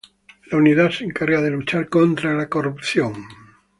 La unidad se encarga de luchar contra la corrupción.